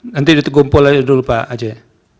nanti ditumpul dulu pak aceh